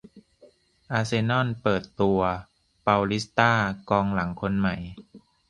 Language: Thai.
อาร์เซน่อลเปิดตัว "เปาลิสต้า" กองหลังคนใหม่